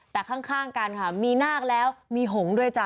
แต่ข้างกันค่ะมีนาคแล้วมีหงษ์ด้วยจ้ะ